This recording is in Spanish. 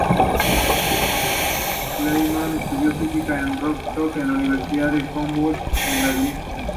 Lehmann estudió física en Rostock y en la Universidad Humboldt de Berlín.